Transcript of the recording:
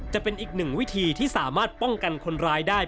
จะเป็นอีกหนึ่งวิธีที่สามารถป้องกันคนร้ายได้